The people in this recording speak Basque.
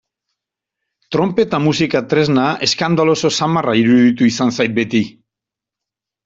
Tronpeta musika tresna eskandaloso samarra iruditu izan zait beti.